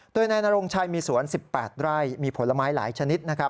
โดยนายนรงชัยมีสวน๑๘ไร่มีผลไม้หลายชนิดนะครับ